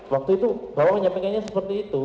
waktu itu bapak menyampaikannya seperti itu